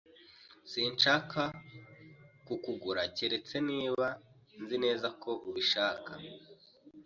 Sinshaka kukugura keretse niba nzi neza ko ubishaka.